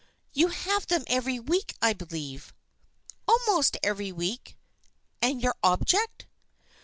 " You have them every week, I believe." " Almost every week." " And your object